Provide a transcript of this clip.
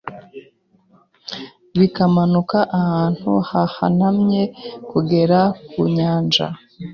bikamanuka ahantu hahanamye kugera ku nyanja